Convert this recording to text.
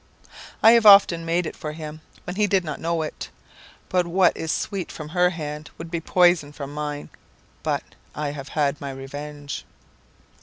I have often made it for him when he did not know it. But what is sweet from her hand, would be poison from mine. But I have had my revenge!'